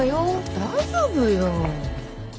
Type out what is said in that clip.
大丈夫よ。